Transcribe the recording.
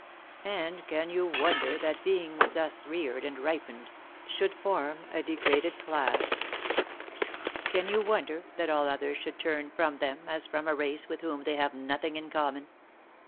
And can you wonder that beings thus reared and ripened should form a degraded class 1 Can you wonder that all others should turn from them, as from a race with whom they have nothing in common